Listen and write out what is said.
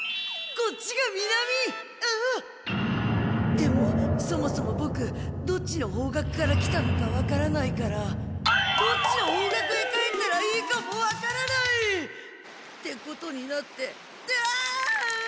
でもそもそもボクどっちの方角から来たのかわからないからどっちの方角へ帰ったらいいかもわからない！ってことになってうわん！